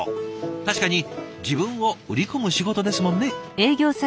確かに自分を売り込む仕事ですもんね。